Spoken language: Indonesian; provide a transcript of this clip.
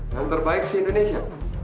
yang terbaik si indonesia